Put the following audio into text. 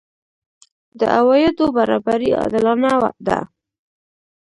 د عوایدو برابري عادلانه ده؟